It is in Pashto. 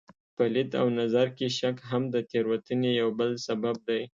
په لید او نظر کې شک هم د تېروتنې یو بل سبب دی.